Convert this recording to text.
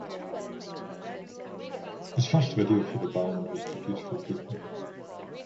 His first video for the band was "The Beautiful People".